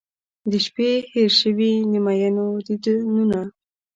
د شپې هیر شوي د میینو دیدنونه